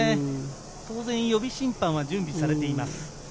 当然、予備審判は準備されています。